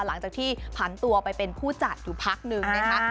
หลังจากที่ผันตัวไปเป็นผู้จัดอยู่พักนึงนะคะ